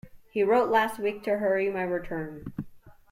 He wrote last week to hurry my return.